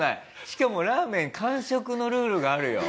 しかもラーメン完食のルールがあるよ。